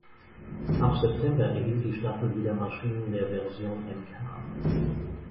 Ab September erhielt die Staffel wieder Maschinen der Version "Mk.